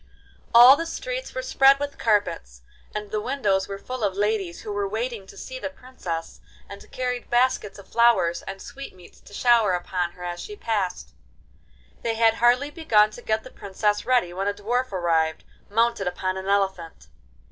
All the streets were spread with carpets, and the windows were full of ladies who were waiting to see the Princess, and carried baskets of flowers and sweetmeats to shower upon her as she passed. They had hardly begun to get the Princess ready when a dwarf arrived, mounted upon an elephant.